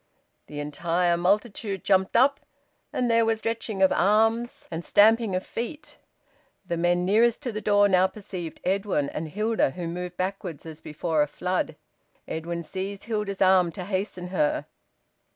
The entire multitude jumped up, and there was stretching of arms and stamping of feet. The men nearest to the door now perceived Edwin and Hilda, who moved backwards as before a flood. Edwin seized Hilda's arm to hasten her.